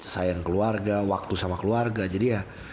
sayang keluarga waktu sama keluarga jadi ya